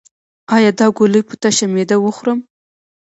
ایا دا ګولۍ په تشه معده وخورم؟